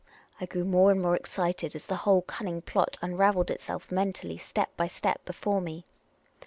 '' I grew more and more excited as the whole cunning plot unravelled itself mentally step by step before me.